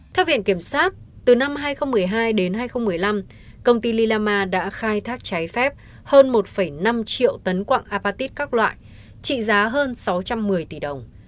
theo viện kiểm sát từ năm hai nghìn một mươi hai đến hai nghìn một mươi năm công ty lilama đã khai thác trái phép hơn một năm triệu tấn quạng apatit các loại trị giá hơn sáu trăm một mươi tỷ đồng